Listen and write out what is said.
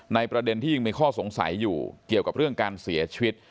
ประเด็นที่ยังมีข้อสงสัยอยู่เกี่ยวกับเรื่องการเสียชีวิต